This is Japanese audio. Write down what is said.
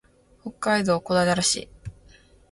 北海道小平町